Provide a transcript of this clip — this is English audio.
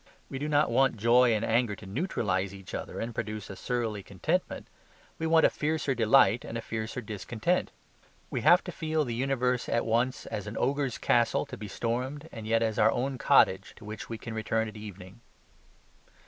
We do not want joy and anger to neutralize each other and produce a surly contentment; we want a fiercer delight and a fiercer discontent. We have to feel the universe at once as an ogre's castle, to be stormed, and yet as our own cottage, to which we can return at evening.